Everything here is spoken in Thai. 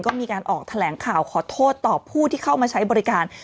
ก็มีการออกแถลงข่าวขอโทษต่อผู้ที่เข้ามาใช้บริการ